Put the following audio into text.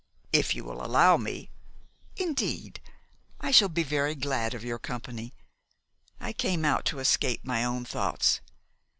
"If you will allow me " "Indeed, I shall be very glad of your company. I came out to escape my own thoughts.